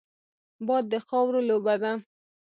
باد د خاورو لوبه ده